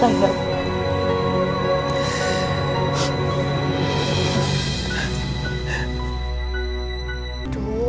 nanti datang ibu